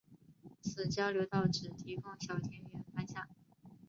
此交流道只提供小田原方向。